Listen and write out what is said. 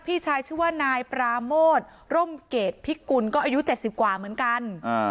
พี่ชายชื่อว่านายปราโมทร่มเกรดพิกุลก็อายุ๗๐กว่าเหมือนกัน